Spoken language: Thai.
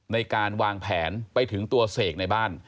ในการวางแผนไปถึงตัวเสกในบ้าน